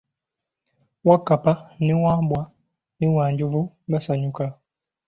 Wakkapa na Wambwa ne Wanjovu basanyuka.